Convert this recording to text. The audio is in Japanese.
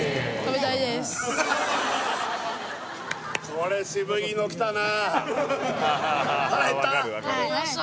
これ、渋いの来たな。